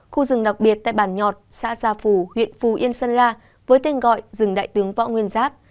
khu rừng đặc biệt tại bản nhọt xã gia phù huyện phù yên sơn la với tên gọi rừng đại tướng võ nguyên giáp